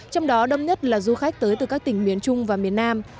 trong đó đông nhất là du khách tới từ các tỉnh miền trung và miền nam